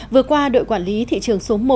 vừa qua đội quản lý thị trường số một